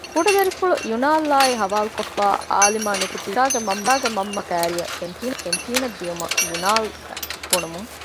ކުޑަ ދަރިފުޅު ޔުނާލްއާއި ހަވާލުކޮށްފައި އާލިމާ ނުކުތީ ކައުޝާގެ މަންމައާއި ބައްޕަ ކައިރިއަށް ކެންޓީނަށް ދިޔުމަށް ޔުނާލް ބުނުމުން